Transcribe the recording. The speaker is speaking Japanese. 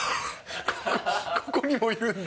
ここにもいるんだ。